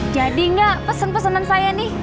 jadi gak pesen pesenan saya nih